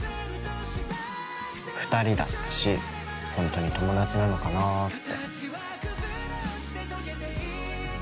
２人だったし本当に友達なのかなって。